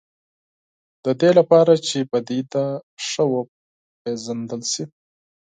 د دې لپاره چې پدیده ښه وپېژندل شي.